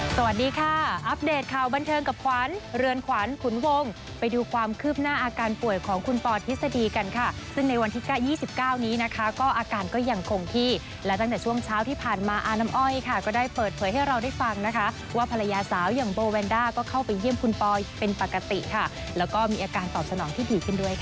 สวัสดีค่ะอัปเดตข่าวบันเทิงกับขวัญเรือนขวัญขุนวงไปดูความคืบหน้าอาการป่วยของคุณปอทฤษฎีกันค่ะซึ่งในวันที่๙๒๙นี้นะคะก็อาการก็ยังคงที่และตั้งแต่ช่วงเช้าที่ผ่านมาอาน้ำอ้อยค่ะก็ได้เปิดเผยให้เราได้ฟังนะคะว่าภรรยาสาวอย่างโบแวนด้าก็เข้าไปเยี่ยมคุณปอยเป็นปกติค่ะแล้วก็มีอาการตอบสนองที่ดีขึ้นด้วยค่ะ